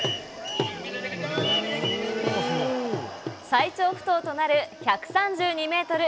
最長不倒となる１３２メートル。